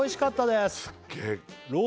すっげー